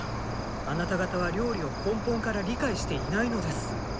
あなた方は料理を根本から理解していないのです。